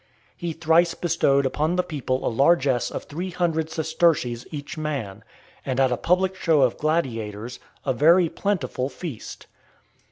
He thrice bestowed upon the people a largess of three hundred sesterces each man; and, at a public show of gladiators, a very plentiful feast.